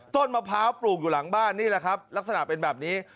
มะพร้าวปลูกอยู่หลังบ้านนี่แหละครับลักษณะเป็นแบบนี้